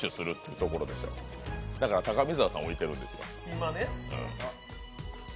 だから、高見沢さんを置いてるんすわ。